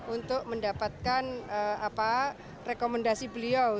untuk mendapatkan rekomendasi beliau